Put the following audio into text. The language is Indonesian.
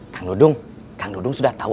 kang dudung kang dudung sudah tahu